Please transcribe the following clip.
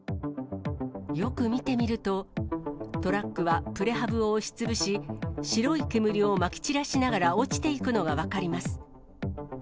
よく見てみると、トラックはプレハブを押しつぶし、白い煙をまき散らしながら落ちていくのが分かります。